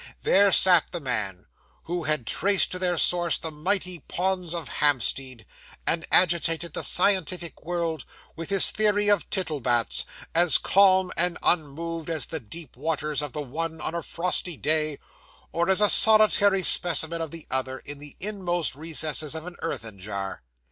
There sat the man who had traced to their source the mighty ponds of Hampstead, and agitated the scientific world with his Theory of Tittlebats, as calm and unmoved as the deep waters of the one on a frosty day, or as a solitary specimen of the other in the inmost recesses of an earthen jar.